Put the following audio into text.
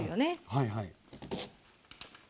はいはい。